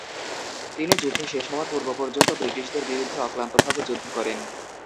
তিনি যুদ্ধ শেষ হওয়ার পূর্ব পর্যন্ত ব্রিটিশদের বিরুদ্ধে অক্লান্তভাবে যুদ্ধ করেন।